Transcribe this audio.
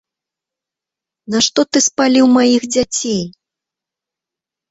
Нашто ты спаліў маіх дзяцей!